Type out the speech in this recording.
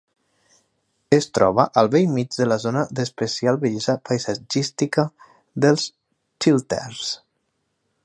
Es troba al bell mig de la zona d'especial bellesa paisatgística dels Chilterns.